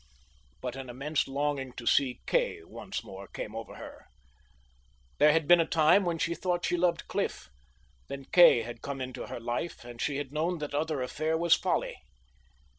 But an immense longing to see Kay once more came over her. There had been a time when she thought she loved Cliff; then Kay had come into her life, and she had known that other affair was folly.